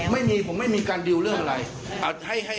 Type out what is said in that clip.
ไม่มีผมไม่มีการดิวเรื่องอะไร